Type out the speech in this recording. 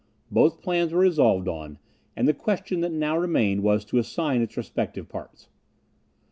Both plans were resolved on; and the question that now remained was to assign its respective parts.